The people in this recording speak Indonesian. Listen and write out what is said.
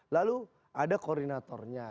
lalu ada koordinatornya